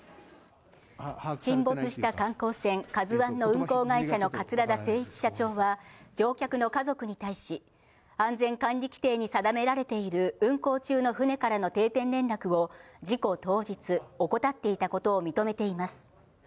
沈没した観光船カズワンの運航会社の桂田精一社長は、乗客の家族に対し、安全管理規程に定められている運航中の船からの定点連絡を、事故当日、怠っていたことを認めています。